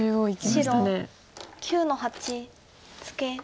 白９の八ツケ。